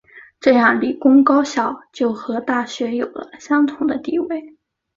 这样理工高校就和大学有了相同的地位。